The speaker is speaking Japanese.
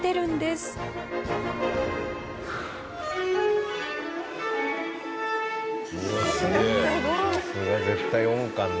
すごい。